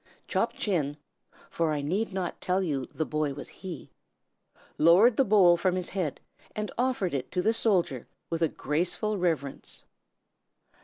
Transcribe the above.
Chop Chin (for I need not tell you the boy was he) lowered the bowl from his head, and offered it to the soldier with a graceful reverence.